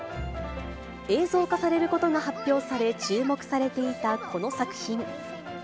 映像化されることが発表され、注目されていたこの作品。